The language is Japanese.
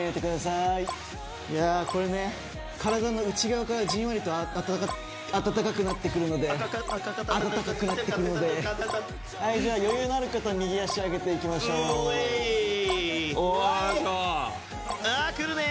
いやこれね体の内側からじんわりとあたたた温かくなってくるので・あかかあかかたたた温かくなってくるのではいじゃあ余裕のある方右脚上げていきましょううえいあくるね！